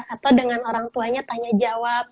atau dengan orang tuanya tanya jawab